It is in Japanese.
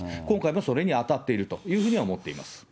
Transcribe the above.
今回もそれに当たっているというふうに思っています。